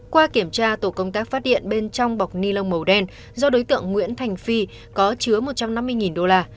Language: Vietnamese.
qua kiểm tra tổ công tác phát hiện bên trong bọc ni lông màu đen do đối tượng nguyễn thành phi có chứa một trăm năm mươi đô la